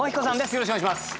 よろしくお願いします。